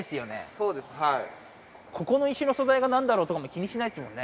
そうですはいここの石の素材が何だろうとかも気にしないですもんね